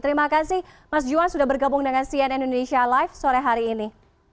terima kasih mas juwan sudah bergabung dengan cn indonesia live sore hari ini